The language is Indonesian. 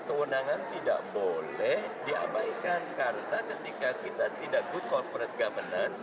kewenangan tidak boleh diabaikan karena ketika kita tidak good corporate governance